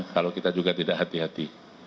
kalau kita juga tidak hati hati